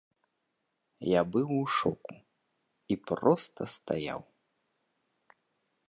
Я быў у шоку і проста стаяў.